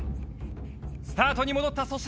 スタートに戻った粗品。